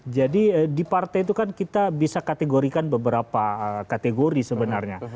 jadi di partai itu kan kita bisa kategorikan beberapa kategori sebenarnya